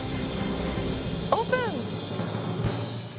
オープン！